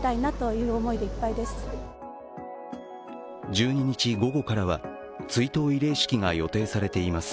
１２日午後からは追悼慰霊式が予定されています。